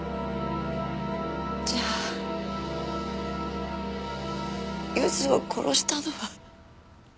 じゃあゆずを殺したのは？